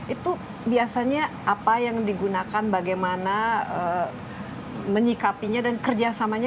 itu biasanya apa yang digunakan bagaimana menyikapinya dan kerjasamanya